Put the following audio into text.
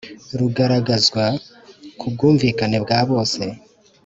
ruzagaragazwa ku bwumvikane bwa bose.